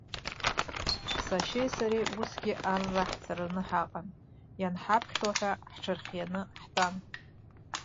Сашьеи сареи усгьы арра ҳцараны ҳаҟан, ианҳаԥхьо ҳәа ҳҽырхианы ҳтәан.